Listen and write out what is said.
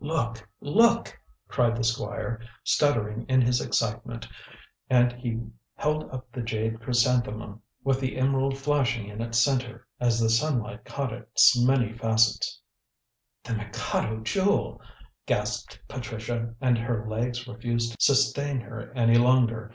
"Look! Look!" cried the Squire, stuttering in his excitement, and he held up the jade chrysanthemum with the emerald flashing in its centre, as the sunlight caught its many facets. "The Mikado Jewel!" gasped Patricia, and her legs refused to sustain her any longer.